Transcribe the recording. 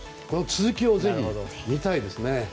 この続きをぜひ見たいですね。